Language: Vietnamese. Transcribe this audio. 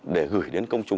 để gửi đến công chúng